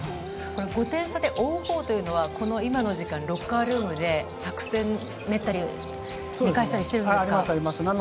５点差で追うほうというのは今の時間、ロッカールームで作戦練ったりしてるんですか？